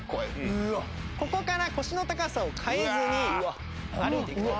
ここから腰の高さを変えずに歩いていくと。